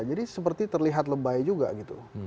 jadi seperti terlihat lebay juga gitu